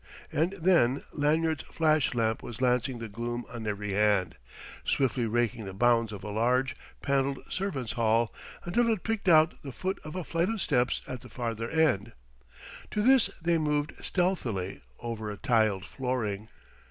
And then Lanyard's flash lamp was lancing the gloom on every hand, swiftly raking the bounds of a large, panelled servants' hall, until it picked out the foot of a flight of steps at the farther end. To this they moved stealthily over a tiled flooring.